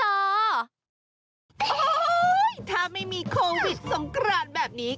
โอ้โหถ้าไม่มีโควิดสงกรานแบบนี้